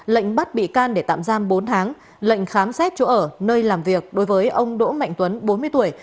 lệnh bắt bị can để tạm giam bốn tháng lệnh khám xét chỗ ở nơi làm việc đối với ông đỗ mạnh tuấn bốn mươi tuổi